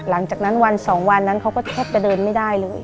หลังจากนั้นวันสองวันนั้นเขาก็แทบจะเดินไม่ได้เลย